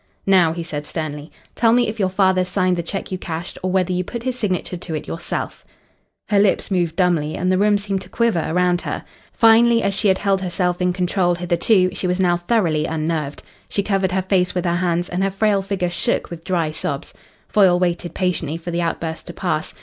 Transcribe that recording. "Now," he said sternly. "Tell me if your father signed the cheque you cashed, or whether you put his signature to it yourself?" Her lips moved dumbly and the room seemed to quiver around her. Finely as she had held herself in control hitherto, she was now thoroughly unnerved. She covered her face with her hands, and her frail figure shook with dry sobs. Foyle waited patiently for the outburst to pass.